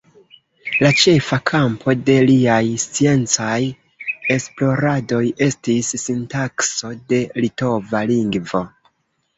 La ĉefa kampo de liaj sciencaj esploradoj estis sintakso de litova lingvo.